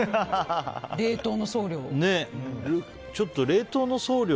冷凍の送料。